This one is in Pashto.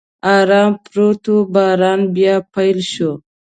ارام پروت و، باران بیا پیل شو.